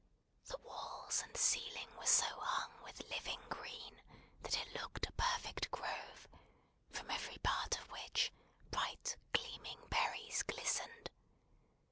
The walls and ceiling were so hung with living green, that it looked a perfect grove; from every part of which, bright gleaming berries glistened.